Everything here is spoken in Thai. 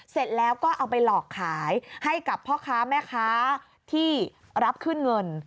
เสร็จแล้วก็เอาไปหลอกขายให้กับพ่อค้าแม่ค้าที่รับขึ้นเงิน